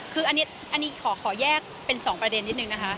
คืออันนี้ขอแยกเป็น๒ประเด็นนิดนึงนะคะ